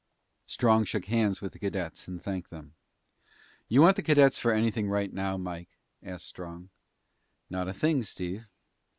Strong shook hands with the cadets and thanked them. "You want the cadets for anything right now, Mike?" asked Strong. "Not a thing, Steve."